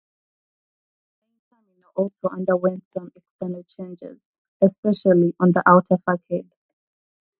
The main terminal also underwent some external changes, especially on the outer facade.